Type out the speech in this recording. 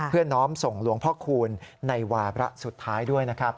น้อมส่งหลวงพ่อคูณในวาระสุดท้ายด้วยนะครับ